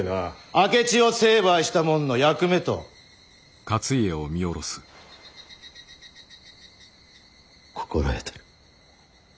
明智を成敗したもんの役目と心得とる。